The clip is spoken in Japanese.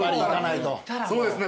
そうですね